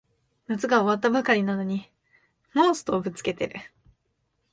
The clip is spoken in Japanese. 夏が終わったばかりなのにもうストーブつけてる